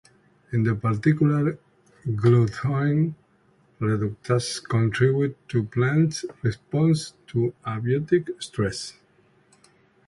In particular, glutathione reductase contributes to plants' response to abiotic stress.